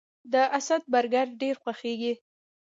د اسد برګر ډیر خوښیږي